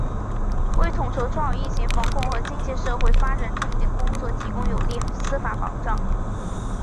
为统筹抓好疫情防控和经济社会发展重点工作提供有力司法保障